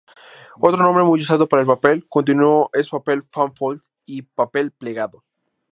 Otro nombre muy usado para el papel continuo es papel "fan-fold" y papel plegado.